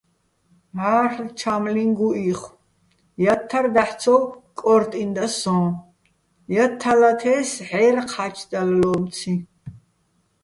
მჵარლ' ჩა́მლიჼ გუჸიხო̆, ჲათთარ დაჰ̦ ცო კო́რტინდა სოჼ, ჲათთალათე́ს ჰ̦აჲრი̆ ჴა́ჩდალლომციჼ.